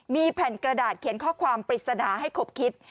มีแผ่นกระดาษเขียนข้อความปริศนาให้ขบคิด